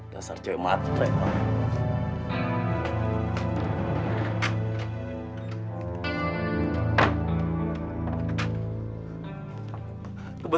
dasar cewek matre